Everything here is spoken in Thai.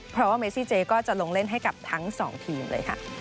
เพราะว่าเมซี่เจก็จะลงเล่นให้กับทั้งสองทีมเลยค่ะ